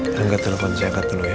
lo ngga telepon si agat dulu ya